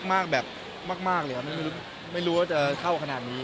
เข้ากับหนังมากแบบมากไม่รู้เข้าขนาดนี้